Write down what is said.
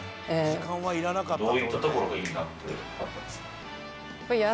時間はいらなかったって事ね。